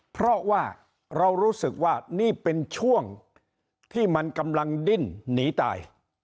เพราะว่าเรารู้สึกว่านี่เป็นช่วงที่มันกำลังดิ้นหนีตาย